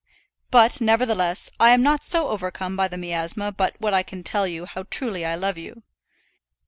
But, nevertheless, I am not so overcome by the miasma but what I can tell you how truly I love you.